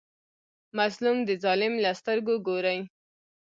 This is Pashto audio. مظلوم د ظالم له سترګو ګوري.